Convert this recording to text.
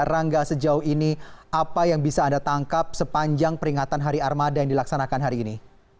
rangga sejauh ini apa yang bisa anda tangkap sepanjang peringatan hari armada yang dilaksanakan hari ini